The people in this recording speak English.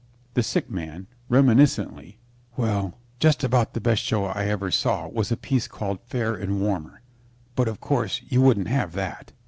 THE SICK MAN (reminiscently) Well, just about the best show I ever saw was a piece called "Fair and Warmer," but, of course, you wouldn't have that.